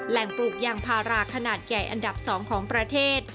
ปลูกยางพาราขนาดใหญ่อันดับ๒ของประเทศ